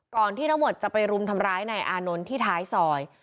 ที่ทั้งหมดจะไปรุมทำร้ายนายอานนท์ที่ท้ายซอย